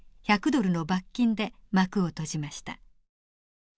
１００ドルの罰金で幕を閉じました。